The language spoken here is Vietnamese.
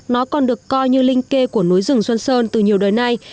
nó còn được coi như linh kê của núi rừng xuân sơn từ nhiều đời nay